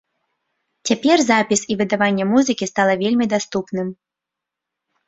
Цяпер запіс і выдаванне музыкі стала вельмі даступным.